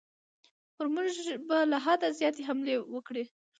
پر موږ به له حده زیاتې حملې وکړي.